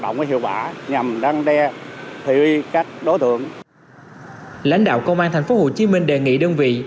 động có hiệu quả nhằm đăng đe thủy cách đối tượng lãnh đạo công an tp hcm đề nghị đơn vị